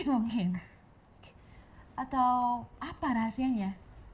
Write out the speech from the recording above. mungkin atau apa rahasianya